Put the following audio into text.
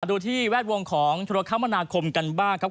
ดูที่แวดวงของธุรกรรมนาคมกันบ้างครับ